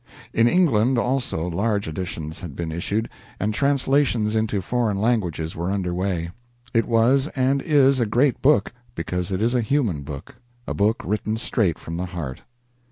In England also large editions had been issued, and translations into foreign languages were under way. It was and is a great book, because it is a human book a book written straight from the heart.